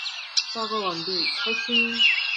八卦完畢，開勳！